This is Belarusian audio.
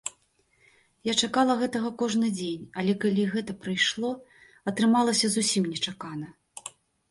Я чакала гэтага кожны дзень, але калі гэта прыйшло, атрымалася зусім нечакана.